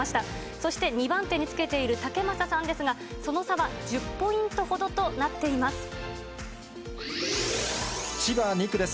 そして２番手につけている武正さんですが、その差は１０ポイントほどとなっています。